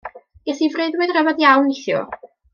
Ges i freuddwyd ryfedd iawn neithiwr.